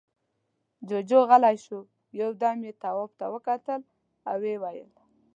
جُوجُو غلی شو، يو دم يې تواب ته وکتل، ويې ويل: